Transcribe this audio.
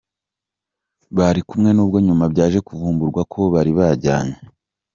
bari kumwe n’ubwo nyuma byaje kuvumburwa ko bari bajyanye.